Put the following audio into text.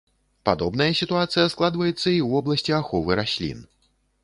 Падобная сітуацыя складваецца і ў вобласці аховы раслін.